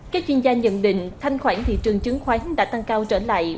các chuyên gia nhận định thanh khoản thị trường chứng khoán đã tăng cao trở lại